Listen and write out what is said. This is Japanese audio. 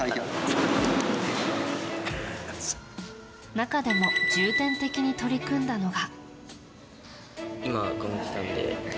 中でも重点的に取り組んだのが。